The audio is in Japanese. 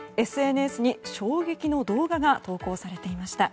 ＳＮＳに衝撃の動画が投稿されていました。